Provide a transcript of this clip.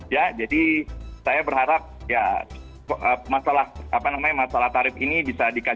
ya jadi saya berharap ya masalah apa namanya masalah tarif ini bisa dikatakan